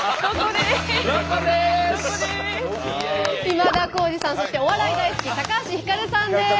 今田耕司さんそしてお笑い大好き橋ひかるさんです。